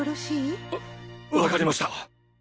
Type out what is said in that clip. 分かりました。